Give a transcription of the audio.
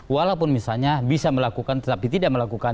walaupun misalnya bisa melakukan tetapi tidak melakukan